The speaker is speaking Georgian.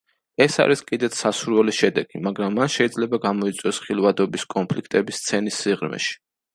ეს არის კიდეც სასურველი შედეგი, მაგრამ მან შეიძლება გამოიწვიოს ხილვადობის კონფლიქტები სცენის სიღრმეში.